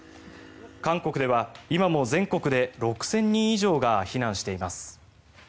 韓国では今も全国で６０００人以上が避難しています。